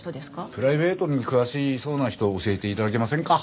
プライベートに詳しそうな人教えて頂けませんか？